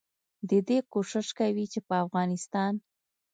ددې کوشش کوي چې په افغانستان